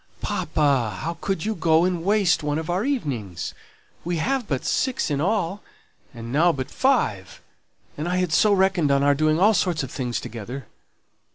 "Papa, how could you go and waste one of our evenings! We have but six in all, and now but five; and I had so reckoned on our doing all sorts of things together."